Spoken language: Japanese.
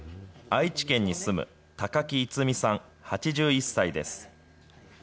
愛知県に住む、高木五三さん８１歳です。